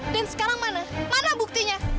dan sekarang mana mana buktinya